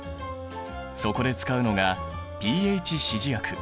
そこで使うのがｐＨ指示薬。